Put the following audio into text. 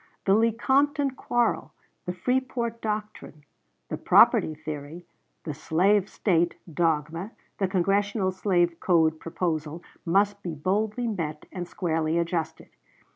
The Lecompton quarrel, the Freeport doctrine, the property theory, the "slave State" dogma, the Congressional slave code proposal, must be boldly met and squarely adjusted.